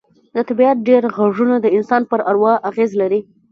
د طبیعت ډېر غږونه د انسان پر اروا اغېز لري